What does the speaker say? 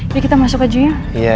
ya kita masuk aja ya